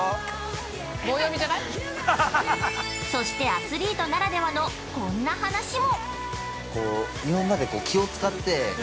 ◆そして、アスリートならではのこんな話も！